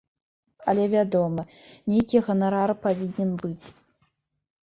Але, вядома, нейкі ганарар павінен быць.